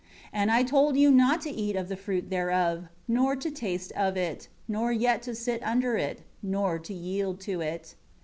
And I told you not to eat of the fruit thereof, nor to taste of it, nor yet to sit under it, nor to yield to it.